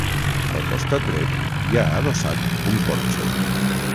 Al costat dret hi ha adossat un porxo.